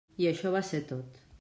I això va ser tot.